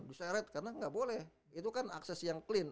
diseret karena gak boleh itu kan akses yang clean